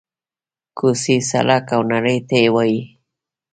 کوڅې، سړک او نړۍ ته ووايي: